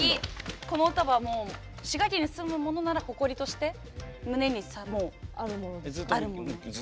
この歌は滋賀県に住む者なら誇りとして胸にあるもの。